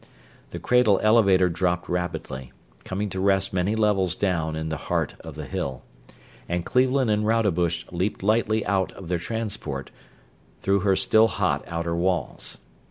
The cradle elevator dropped rapidly, coming to rest many levels down in the heart of the Hill, and Cleveland and Rodebush leaped lightly out of their transport, through her still hot outer walls.